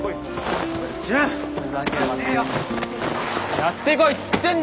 やってこいっつってんだろ！